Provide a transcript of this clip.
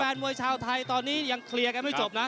มวยชาวไทยตอนนี้ยังเคลียร์กันไม่จบนะ